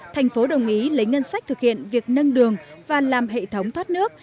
thành phố đồng ý lấy ngân sách thực hiện việc nâng đường và làm hệ thống thoát nước